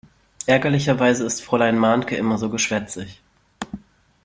Ärgerlicherweise ist Fräulein Mahnke immer so geschwätzig.